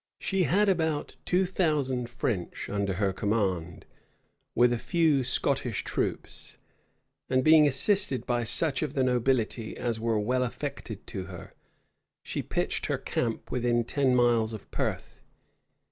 She had about two thousand French under her command, with a few Scottish troops; and being assisted by such of the nobility as were well affected to her, she pitched her camp within ten miles of Perth.